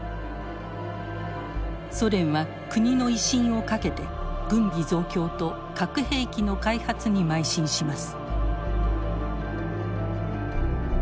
ソ連は国の威信をかけて軍備増強と核兵器の開発に邁進します。